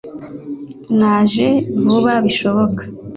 Naje vuba bishoboka